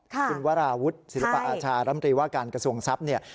คุณวราวุฒิศิลปะอาชารำตรีว่าการกระทรวงทรัพย์เนี่ย